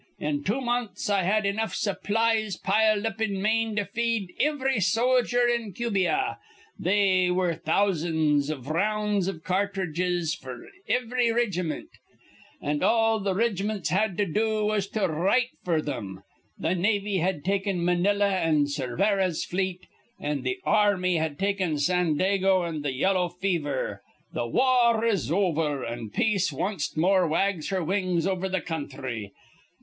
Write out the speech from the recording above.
In two months I had enough supplies piled up in Maine to feed ivry sojer in Cubia. They were thousands iv r rounds iv catridges f'r ivry rig'mint, and all th' rig'mints had to do was to write f'r thim. Th' navy had taken Manila an' Cervera's fleet, an' th' ar rmy had taken Sandago an' th' yellow fever. Th' war is over, an' peace wanst more wags her wings over th' counthry.